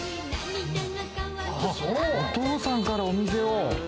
お父さんからお店を。